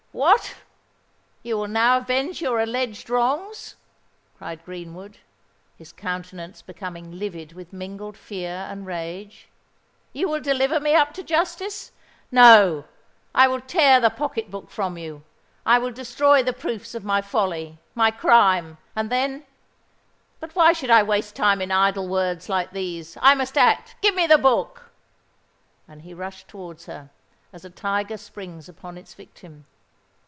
"What! you will now avenge your alleged wrongs!" cried Greenwood, his countenance becoming livid with mingled fear and rage: "you will deliver me up to justice? No—I will tear the pocket book from you—I will destroy the proofs of my folly—my crime; and then——but why should I waste time in idle words like these; I must act! Give me the book!" And he rushed towards her, as a tiger springs upon its victim.